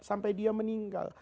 sampai dia meninggal